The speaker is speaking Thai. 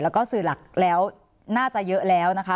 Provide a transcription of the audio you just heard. แล้วก็สื่อหลักแล้วน่าจะเยอะแล้วนะคะ